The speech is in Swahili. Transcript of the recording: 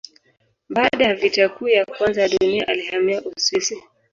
Baada ya Vita Kuu ya Kwanza ya Dunia alihamia Uswisi.